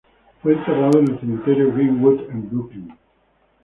Fue enterrado en el cementerio Green-Wood en Brooklyn.